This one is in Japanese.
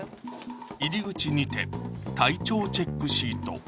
入口にて体調チェックシート